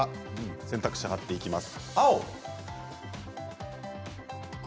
選択肢を貼っていきます。